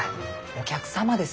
お客様です。